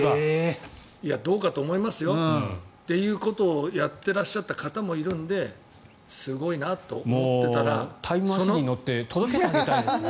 どうかと思いますよ。ということをやってらっしゃった方もいたのでタイムマシンに乗って届けてあげたいですね。